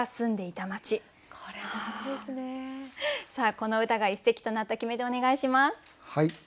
この歌が一席となった決め手お願いします。